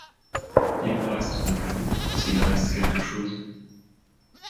Il ne reste de vous, s’il reste quelque chose